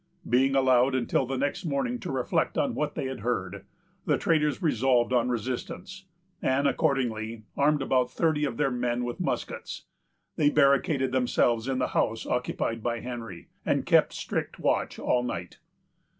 Being allowed until the next morning to reflect on what they had heard, the traders resolved on resistance, and, accordingly, arming about thirty of their men with muskets, they barricaded themselves in the house occupied by Henry, and kept strict watch all night.